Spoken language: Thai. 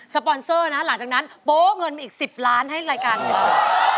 ปอนเซอร์นะหลังจากนั้นโป๊เงินมาอีก๑๐ล้านให้รายการของเรา